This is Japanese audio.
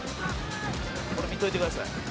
「これ見といてください」